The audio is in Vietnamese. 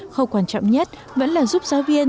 khâu quan trọng nhất vẫn là giúp giáo viên